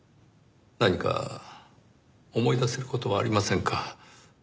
何か思い出せる事はありませんか？